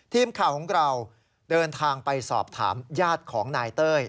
ทีมข่าวของเราเดินทางไปสอบถามญาติของนายเต้ย